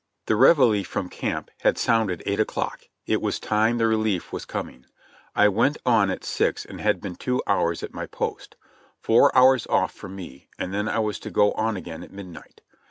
The reveille from camp had sounded eight o'clock ; it was time the relief was coming, I went on at six and had been two hours at my post. Four hours off for me, and then I was to go on again at midnight.